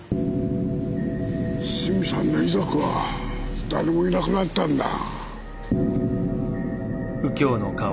スミさんの遺族は誰もいなくなったんだ。